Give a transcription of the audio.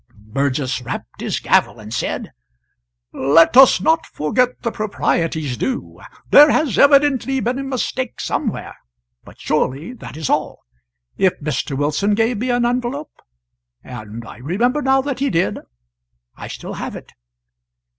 Burgess rapped with his gavel, and said: "Let us not forget the proprieties due. There has evidently been a mistake somewhere, but surely that is all. If Mr. Wilson gave me an envelope and I remember now that he did I still have it."